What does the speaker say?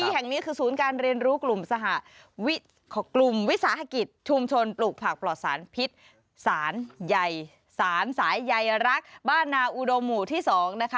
เป็นศูนย์การเรียนรู้กลุ่มสหกลุ่มวิสาหกิจชุมชนปลูกผักปลอดศาลพิษศาลใยรักบ้านนาอุโดหมู่ที่๒นะคะ